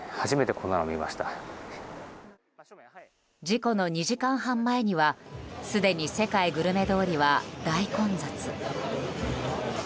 事故の２時間半前にはすでに世界グルメ通りは大混雑。